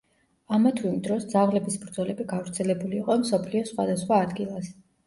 ამა თუ იმ დროს ძაღლების ბრძოლები გავრცელებული იყო მსოფლიოს სხვადასხვა ადგილას.